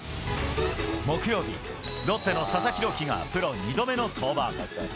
木曜日、ロッテの佐々木朗希がプロ２度目の登板。